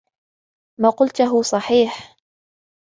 ما قلته صحيح.